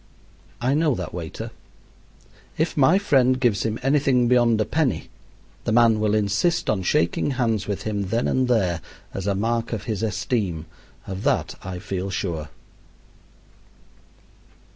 I know that waiter. If my friend gives him anything beyond a penny, the man will insist on shaking hands with him then and there as a mark of his esteem; of that I feel sure.